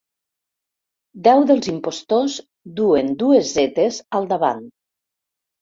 Deu dels impostors duen dues zetes al davant.